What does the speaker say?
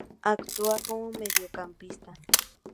Actúa como mediocampista.